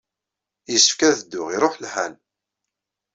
Yessefk ad dduɣ, iṛuḥ lḥal!